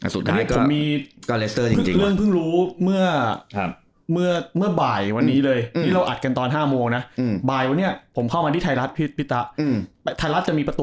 สุดท้ายเรื่องก็เลสเตอร์จริง